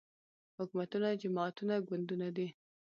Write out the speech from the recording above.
حکومتونه جماعتونه ګوندونه دي